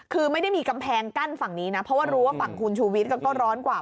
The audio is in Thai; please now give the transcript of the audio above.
คือไม่ได้มีกำแพงกั้นฝั่งนี้นะเพราะว่ารู้ว่าฝั่งคุณชูวิทย์ก็ร้อนกว่า